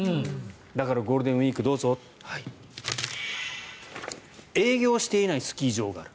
だからゴールデンウィークどうぞ。営業していないスキー場がある。